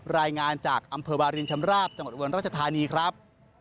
รายงานจากอำเภอวารินชำราบจังหวัดอุบลราชธานีครับ